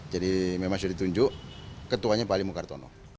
memang sudah ditunjuk ketuanya pak ali mukartono